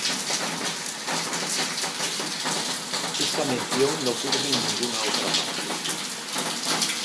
Esta mención no ocurre en ninguna otra parte.